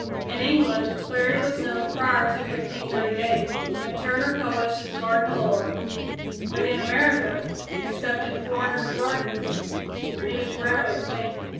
In England clary was known prior to 1538, when Turner published his garden lore, but in America, except in foreigners' gardens, it is rarely seen.